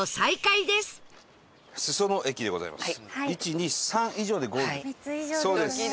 裾野駅でございます。